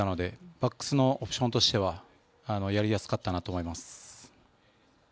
バックスのポジションとしてはやりやすかったなと思います。